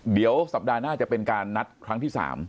เดี๋ยวสัปดาห์หน้าจะเป็นการนัดครั้งที่๓